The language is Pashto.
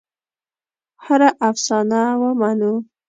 هره افسانه ومنو.